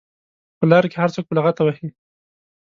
په لار کې هر څوک په لغته وهي.